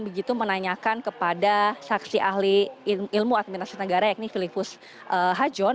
begitu menanyakan kepada saksi ahli ilmu administrasi negara yakni filipus hajon